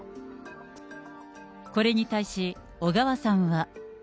これに対し小川さんは。